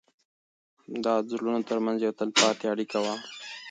دا د زړونو تر منځ یوه تلپاتې اړیکه وه.